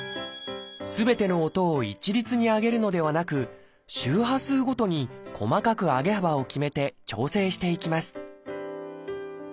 すべての音を一律に上げるのではなく周波数ごとに細かく上げ幅を決めて調整していきます